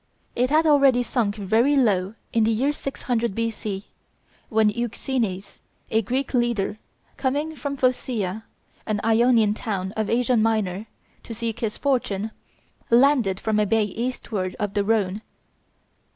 It had already sunk very low in the year 600 B.C., when Euxenes, a Greek trader, coming from Phocea, an Ionian town of Asia Minor, to seek his fortune, landed from a bay eastward of the Rhone.